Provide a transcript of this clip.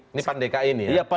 ini pan di ki ini ya